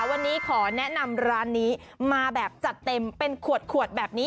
วันนี้ขอแนะนำร้านนี้มาแบบจัดเต็มเป็นขวดแบบนี้